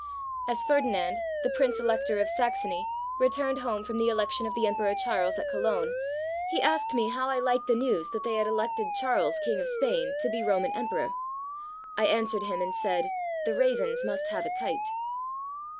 As Ferdinand, the Prince Elector of Saxony, returned home from the election of the Emperor Charles at Cologne, he asked me how I liked the news, that they had elected Charles, King of Spain, to be Roman Emperor. I answered him and said, "The ravens must have a kite."